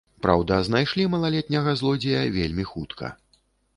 Праўда, знайшлі малалетняга злодзея вельмі хутка.